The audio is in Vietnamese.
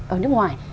ở nước ngoài